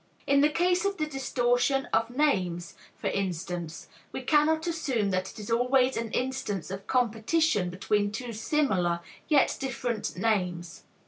In the case of the distortion of names, for instance, we cannot assume that it is always an instance of competition between two similar, yet different names.